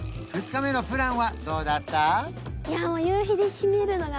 ２日目のプランはどうだった？